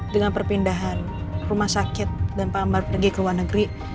dengan perpindahan rumah sakit dan pak ambar pergi ke luar negeri